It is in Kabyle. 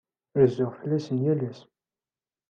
Rezzuɣ fell-asen yal ass.